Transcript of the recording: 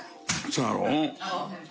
そうやろ？